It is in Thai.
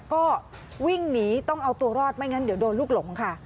ก็วิ่งหนีต้องเอาตัวรอดไม่งั้นเดี๋ยวโดนลูกหลงค่ะ